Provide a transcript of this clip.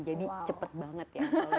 jadi cepet banget ya